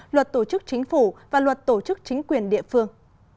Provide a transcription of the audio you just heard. luật tổ chức chính phủ và luật tổ chức chính quyền địa phương